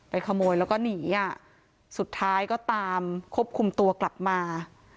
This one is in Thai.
ขโมยแล้วก็หนีอ่ะสุดท้ายก็ตามควบคุมตัวกลับมา